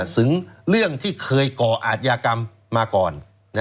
ถึงเรื่องที่เคยก่ออาจยากรรมมาก่อน